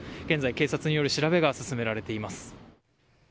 現在、警察による調べが進められています。